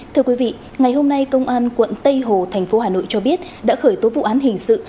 thưa quý vị ngày hôm nay công an quận tây hồ thành phố hà nội cho biết đã khởi tố vụ án hình sự